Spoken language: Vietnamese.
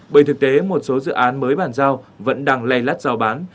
bởi thực tế một số dự án mới bàn giao vẫn đang lây lát giao bán